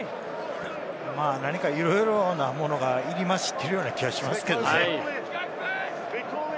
何かいろいろなものが入り混じっているような気がしますけれどもね。